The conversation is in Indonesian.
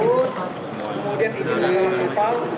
kemudian diperbincin bagian kapal